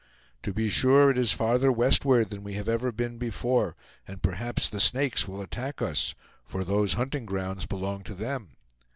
To be sure it is farther westward than we have ever been before, and perhaps the Snakes will attack us, for those hunting grounds belong to them.